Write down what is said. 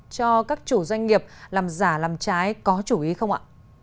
cho các chủ doanh nghiệp làm giả làm trái có chủ ý không ạ